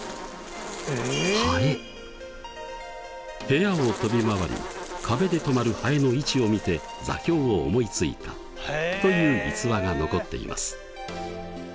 部屋を飛び回り壁で止まるはえの位置を見て座標を思いついたという逸話が残っています。